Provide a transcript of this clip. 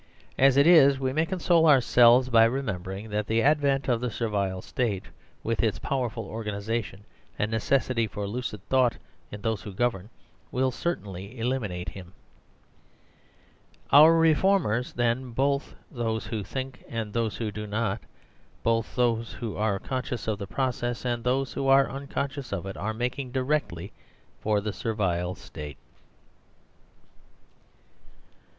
As it is, we may console ourselves by remem bering that the advent of the Servile State, with its powerful organisation and necessity for lucid thought in those who govern, will certainly eliminate him. Ourreformers, then, both thosewhothinkand those who do not, both those who are conscious of the pro r cess and those who are unconscious of it, are making directly for the Servile State.